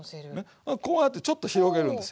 こうやってちょっと広げるんですよ。